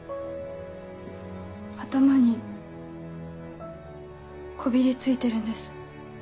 頭にこびり付いてるんです。